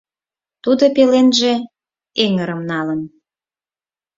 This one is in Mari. Тудо пеленже эҥырым налын.